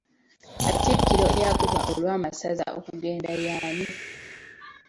Katikkiro eyagobwa olw'amasaza okugenda y'ani?